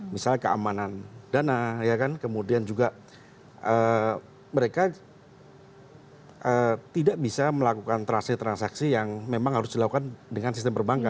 misalnya keamanan dana kemudian juga mereka tidak bisa melakukan transaksi transaksi yang memang harus dilakukan dengan sistem perbankan